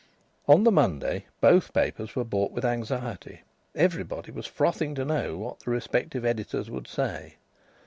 On the Monday both papers were bought with anxiety. Everybody was frothing to know what the respective editors would say.